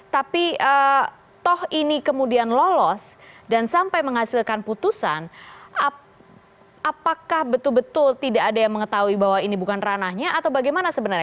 tapi toh ini kemudian lolos dan sampai menghasilkan putusan apakah betul betul tidak ada yang mengetahui bahwa ini bukan ranahnya atau bagaimana sebenarnya